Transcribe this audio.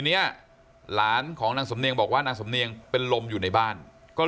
เนี้ยหลานของนางสำเนียงบอกว่านางสำเนียงเป็นลมอยู่ในบ้านก็